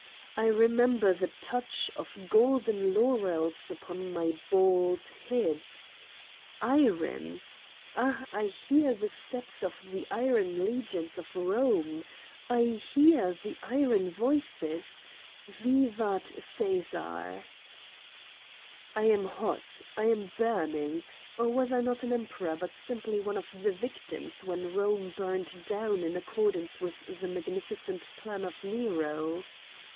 I remember the touch of golden laurels upon my bald head 46 Satan's Diary Iron ! Ah, I hear the steps of the iron legions of Eome. I hear the iron voices: "Vivat Caesar I" I am hot. I am burning. Or was I not an em peror but simply one of the " victims " when Rome burned down in accordance with the mag nificent plan of Nero